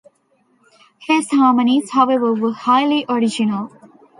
His harmonies, however, were highly original.